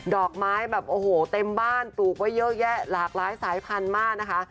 ดอกไม้แบบโอ้โหเต็มบ้านปลูกไว้เยอะแยะหลากหลายสายพันธุ์มากนะคะ